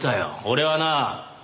俺はな